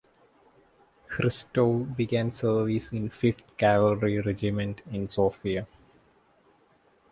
Hristov began service in Fifth Cavalry Regiment in Sofia.